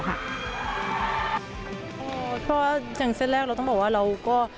เพราะว่าอย่างเส้นแรกเราต้องบอกว่าเราก็